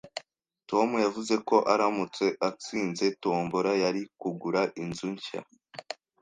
Tom yavuze ko aramutse atsinze tombola, yari kugura inzu nshya